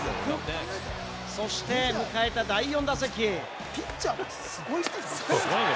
そして迎えた第４打席。